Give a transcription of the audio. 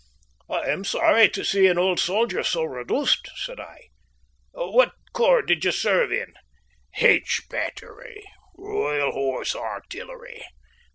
"I am sorry to see an old soldier so reduced," said I. "What corps did you serve in?" "H Battery, Royal Horse Artillery.